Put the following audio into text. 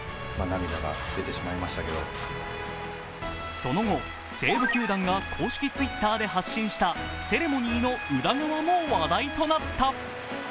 その後、西武球団が公式Ｔｗｉｔｔｅｒで発信したセレモニーの裏側も話題となった。